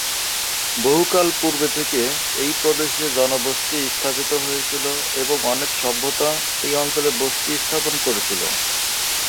বহুকাল পূর্বে থেকে এই প্রদেশে জনবসতি স্থাপিত হয়েছিল এবং অনেক সভ্যতা এই অঞ্চলে বসতি স্থাপন করেছিল।